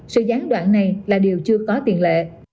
sự gián đoạn này là điều chưa có tiền lệ